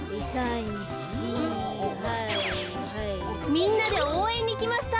みんなでおうえんにきました。